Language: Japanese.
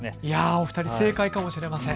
お二人正解かもしれないです。